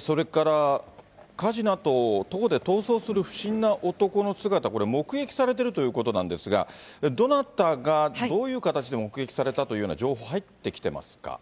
それから、火事のあと、徒歩で逃走する不審な男の姿、これ、目撃されてるということなんですが、どなたが、どういう形で目撃されたというような情報、入ってきてますか？